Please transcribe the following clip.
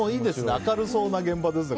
明るそうな現場ですね